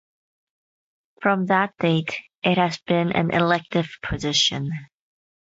From that date, it has been an elective position.